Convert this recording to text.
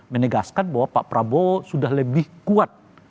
menegaskan bahwa pak prabowo sudah lebih kuat